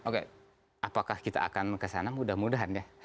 oke apakah kita akan kesana mudah mudahan ya